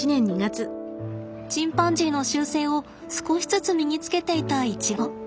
チンパンジーの習性を少しずつ身につけていたイチゴ。